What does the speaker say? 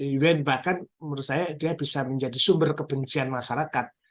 ini bahkan menurut saya bisa menjadi sumber kebencian masyarakat